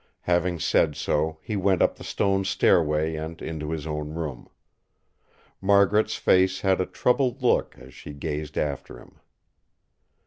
Having said so, he went up the stone stairway and into his own room. Margaret's face had a troubled look as she gazed after him.